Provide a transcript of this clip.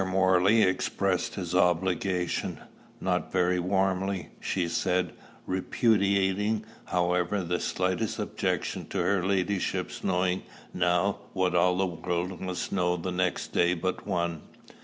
Morley expressed his obligation, not very warmly, she said, repudiating, however, the slightest objection to her ladyship's knowing now what all the world must know the next day but one.